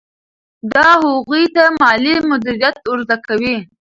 دا هغوی ته مالي مدیریت ور زده کوي.